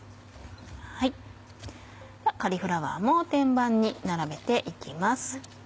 カリフラワーも天板に並べて行きます。